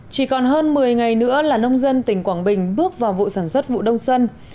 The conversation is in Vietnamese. chỉ còn hơn một mươi ngày nữa là nông dân tỉnh quảng bình bước vào vụ sản xuất vụ đông xuân